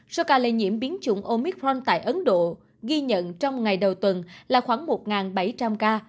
số ca lây nhiễm biến chủng omicron tại ấn độ ghi nhận trong ngày đầu tuần là khoảng một bảy trăm linh ca